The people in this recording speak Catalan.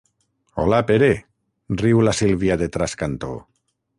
Hola, Pere —riu la Sílvia de trascantó—.